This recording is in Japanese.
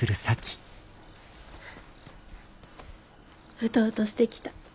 うとうとしてきた。